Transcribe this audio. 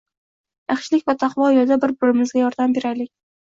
Yaxshilik va taqvo yoʻlida bir birimizga yordam beraylik